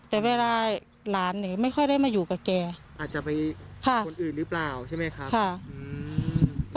แต่เวลาหลานหนีไม่ค่อยได้มาอยู่กับแกอาจจะไปฆ่าคนอื่นหรือเปล่าใช่ไหมครับ